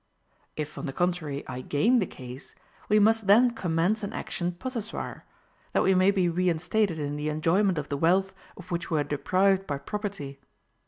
If, on the contrary, I gain the case, we must then commence an action possessoire, that we may be reinstated in the enjoyment of the wealth of which we are deprived by property.